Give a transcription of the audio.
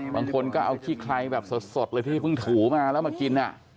บางคนก็เอาขี้ไคร้แบบสดเลยที่เพิ่งถูมาแล้วมากิน